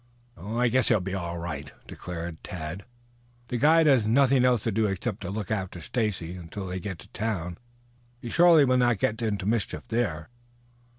"I guess he will be all right," decided Tad. "The guide has nothing else to do except to look after Stacy until they get to town. He surely will not get into mischief there."